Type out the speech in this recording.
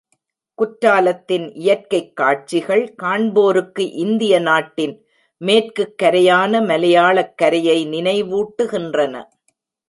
குற்றாலத்தின் இயற்கைக் காட்சிகள், காண்போருக்கு இந்திய நாட்டின் மேற்குக் கரையான மலையாளக் கரையை நினைவூட்டுகின்றன.